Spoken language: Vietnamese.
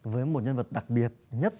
với một nhân vật đặc biệt nhất